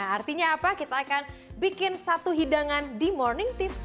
artinya apa kita akan bikin satu hidangan di morning tips